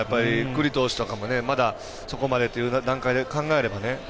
九里投手とかもまだそこまでという段階を考えればね。